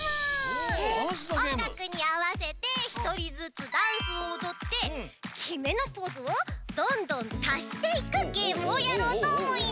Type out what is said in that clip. おんがくにあわせてひとりずつダンスをおどってきめのポーズをどんどんたしていくゲームをやろうとおもいます。